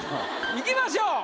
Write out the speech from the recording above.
いきましょう。